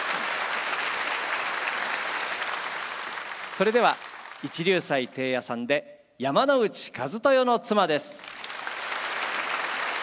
それでは一龍斎貞弥さんで「山内一豊の妻」です。